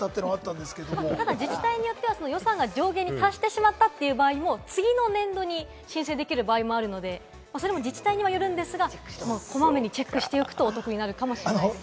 ただ、実際には予算が上限に達してしまったという場合も、次の年度に申請できる場合もあるので、自治体にもよりますが、こまめにチェックしておくと得になるかもしれません。